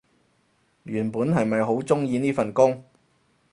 原本係咪好鍾意呢份工